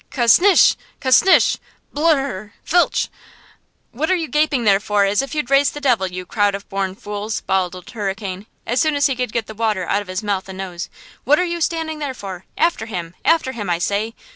"Ca snish! ca snish! blurr rr! flitch!–what are you gaping there for as if you'd raised the devil, you crowd of born fools!" bawled Old Hurricane as soon as he could get the water out of his mouth and nose–" what are you standing there for! After him! After him, I say!